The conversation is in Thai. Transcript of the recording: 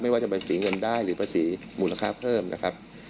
ไม่ว่าจะไปเสียเงินได้หรือเสียบสีมูลค้าเพิ่มนะครับ